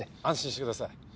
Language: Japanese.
安心してください。